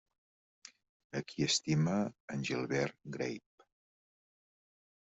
A qui estima, en Gilbert Grape?